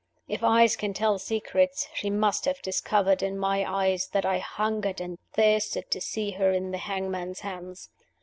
If eyes can tell secrets, she must have discovered, in my eyes, that I hungered and thirsted to see her in the hangman's hands.